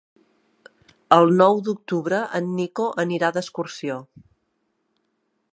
El nou d'octubre en Nico anirà d'excursió.